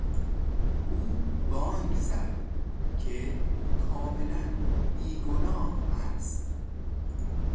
او بانگ زد که کاملا بی گناه است.